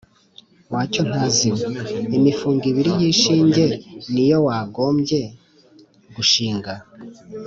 wa cyontazi we, imifungo ibiri y’ishinge ni yo wagombye gushinga